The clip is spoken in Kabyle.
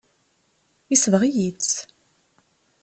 Yesbeɣ-iyi-tt.